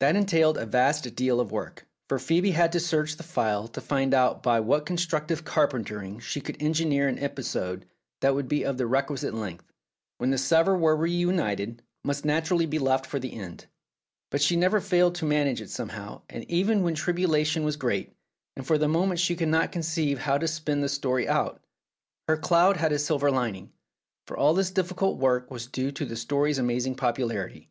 That entailed a vast deal of work, for Phoebe had to search the file to find out by what constructive carpentering she could engineer an episode that would be of the requisite length; for the last instalment 291 Philip's Safety Razor of all, when the severed were reunited, must natur ally be left for the end. But she never failed to manage it somehow, and even when tribulation was great, and for the moment she could not conceive how to spin the story out, her cloud had a silver lining, for all this difficult work was due to the story's amazing popularity.